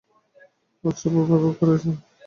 উৎসব উপভোগ করছেন তো?